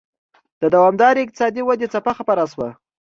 د دوامدارې اقتصادي ودې څپه خپره شوه.